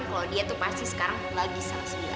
kalau dia tuh pasti sekarang lagi salah sembilan